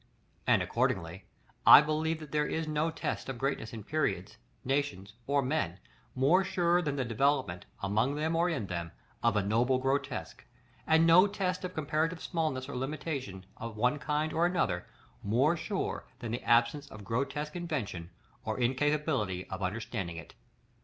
And, accordingly, I believe that there is no test of greatness in periods, nations, or men, more sure than the developement, among them or in them, of a noble grotesque, and no test of comparative smallness or limitation, of one kind or another, more sure than the absence of grotesque invention, or incapability of understanding it.